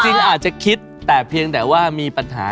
จริงอาจจะคิดแต่เพียงแต่ว่ามีปัญหา